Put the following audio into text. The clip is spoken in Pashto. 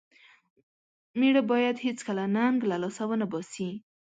مېړه بايد هيڅکله ننګ له لاسه و نه باسي.